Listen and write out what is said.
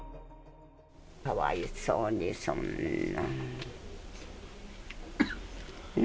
かわいそうに、そんなん。